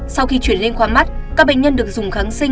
sau khi chuyển lên khoa mắt các bệnh nhân được dùng kháng sinh